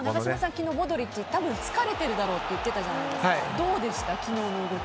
昨日、モドリッチ多分疲れてるだろうと言ってたじゃないですか。